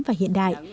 và hiện đại